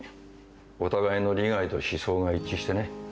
お互いの利害と思想が一致してね。